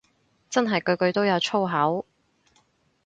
真係句句都有粗口